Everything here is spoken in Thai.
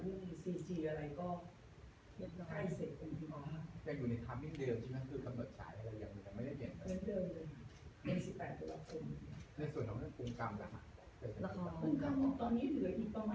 ในส่วนของเรื่องภูมิกรรมแล้วค่ะภูมิกรรมตอนนี้เหลืออีกประมาณ